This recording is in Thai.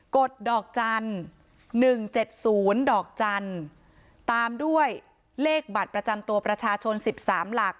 ดอกจันทร์๑๗๐ดอกจันทร์ตามด้วยเลขบัตรประจำตัวประชาชน๑๓หลัก